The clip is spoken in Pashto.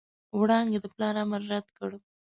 وړانګې د پلار امر رد کړ.